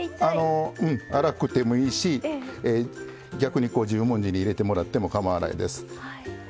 荒くてもいいし、逆に十文字に入れてもらってもかまわないです。